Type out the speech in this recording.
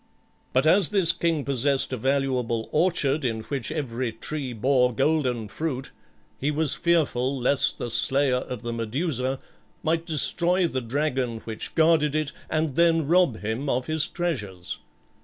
But as this king possessed a valuable orchard, in which every tree bore golden fruit, he was fearful lest the slayer of the Medusa might destroy the dragon which guarded it, and then rob him of his treasures.